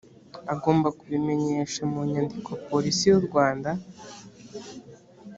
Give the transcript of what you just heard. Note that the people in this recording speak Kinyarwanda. agomba kubimenyesha mu nyandiko polisi y urwanda